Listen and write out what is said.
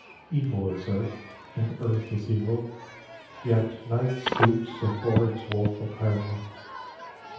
Evil is earth and Earth is evil, yet Night sleeps before its woful parapet.